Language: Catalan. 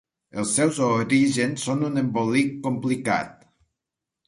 Els seus orígens són un embolic complicat.